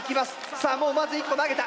さあもうまず１個投げた。